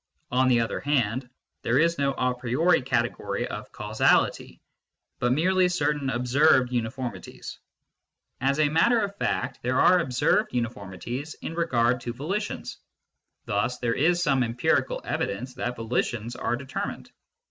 On the one hand, there is no a priori category of causality, but merely certain observed uniformities As a matter ao6 MYSTICISM AND LOGIC of fact, there are observed uniformities in regard to volitions ; thus there is some empirical evidence that volitions are determined.